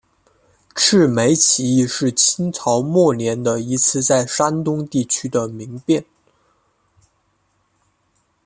赤眉起义是新朝末年的一次在山东地区的民变。